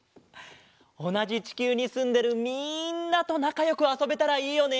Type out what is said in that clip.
おなじちきゅうにすんでるみんなとなかよくあそべたらいいよね。